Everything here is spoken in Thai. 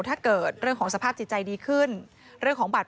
แล้วตอนนี้ศาลให้ประกันตัวออกมาแล้ว